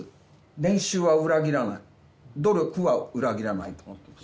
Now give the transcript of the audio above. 練習は裏切らない努力は裏切らないと思ってます